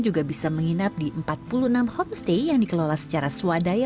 juga bisa menginap di empat puluh enam homestay yang dikelola secara swadaya